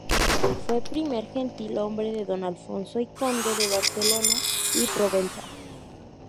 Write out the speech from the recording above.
Fue primer gentilhombre de don Alfonso I conde de Barcelona y de Provenza.